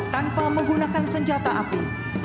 tanpa menggunakan senjata api